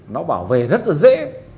nó bảo về rất là dễ